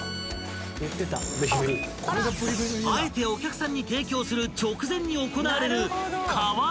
［あえてお客さんに提供する直前に行われる］